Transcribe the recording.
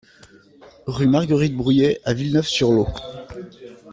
Rue Marguerite Brouillet à Villeneuve-sur-Lot